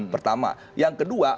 pertama yang kedua